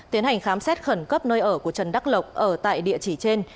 tiến hành khám xét khẩn cấp nơi ở của trần đắc lộc ở tại địa chỉ trên